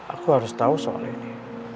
aku harus tahu soal ini